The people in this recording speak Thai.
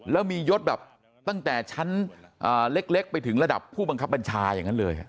แล้วมียศแบบตั้งแต่ชั้นเล็กไปถึงระดับผู้บังคับบัญชาอย่างนั้นเลย